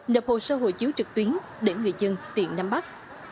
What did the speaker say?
nập hồ sơ hộ chiếu trực tuyến để người dân tiện nam bắc